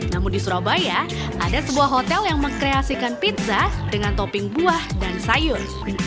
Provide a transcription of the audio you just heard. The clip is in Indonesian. namun di surabaya ada sebuah hotel yang mengkreasikan pizza dengan topping buah dan sayur